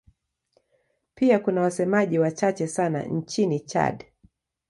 Pia kuna wasemaji wachache sana nchini Chad.